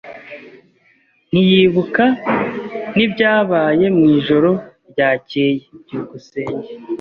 Ntiyibuka n'ibyabaye mwijoro ryakeye. byukusenge